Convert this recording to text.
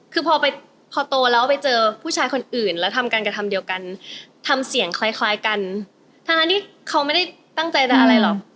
คือพอไปพอโตแล้วไปเจอผู้ชายคนอื่นแล้วทำการกระทำเดียวกันทำเสียงคล้ายคล้ายกันทั้งที่เขาไม่ได้ตั้งใจจะอะไรหรอก